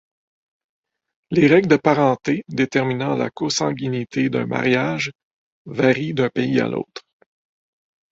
Les règles de parenté déterminant la consanguinité d'un mariage varient d'un pays à l'autre.